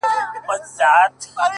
اوس مي تعويذ له ډېره خروښه چاودي،